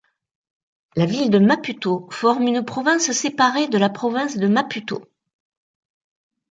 La ville de Maputo forme une province séparée de la province de Maputo.